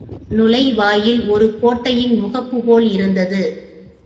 நுழைவாயில் ஒரு கோட்டையின் முகப்புபோல் இருந்தது.